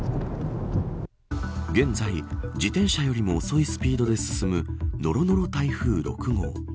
現在、自転車よりも遅いスピードで進むのろのろ台風６号。